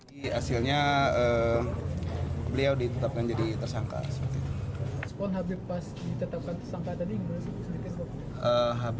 tim kuasa hukum menjawab